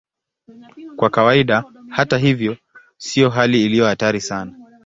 Kwa kawaida, hata hivyo, sio hali iliyo hatari sana.